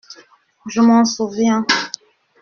Je m’en souviens.